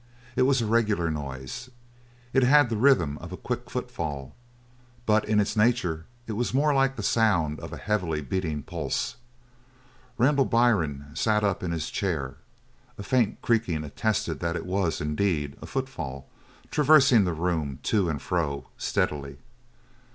It was a regular noise. It had the rhythm of a quick footfall, but in its nature it was more like the sound of a heavily beating pulse. Randall Byrne sat up in his chair. A faint creaking attested that it was, indeed, a footfall traversing the room to and fro, steadily.